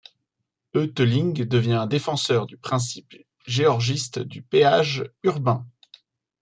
Hotelling devint un défenseur du principe georgiste du péage urbain.